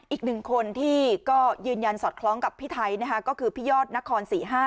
อีกหนึ่งคนที่ก็ยืนยันสอดคล้องกับพี่ไทยนะคะก็คือพี่ยอดนคร๔๕